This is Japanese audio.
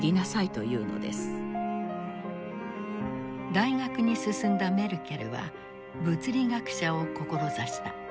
大学に進んだメルケルは物理学者を志した。